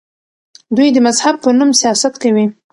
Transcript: دوی د مذهب په نوم سیاست کوي.